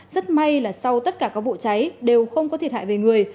rất may là sau tất cả các vụ cháy đều không có thiệt hại về người